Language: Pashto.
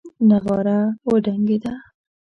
نغاره وډنګېده.